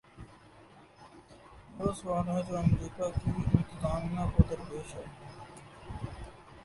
یہ وہ سوال ہے جو امریکہ کی انتظامیہ کو درپیش ہے۔